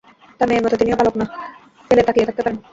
তাঁর মেয়ের মতো তিনিও পলক না- ফেলে তাকিয়ে থাকতে পারেন।